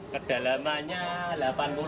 kedalamannya delapan puluh an sampai satu meter